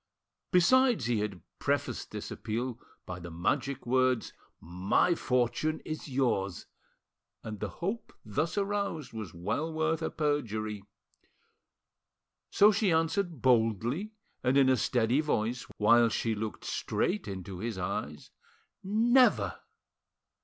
Besides, he had prefaced this appeal by the magic words, "My fortune' is yours!" and the hope thus aroused was well worth a perjury. So she answered boldly and in a steady voice, while she looked straight into his eyes— "Never!"